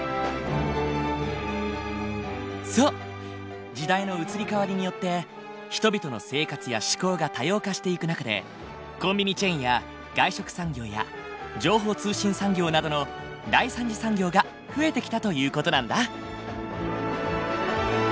そう時代の移り変わりによって人々の生活や嗜好が多様化していく中でコンビニチェーンや外食産業や情報通信産業などの第三次産業が増えてきたという事なんだ。